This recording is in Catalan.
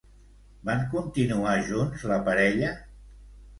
Van continuar junts la parella?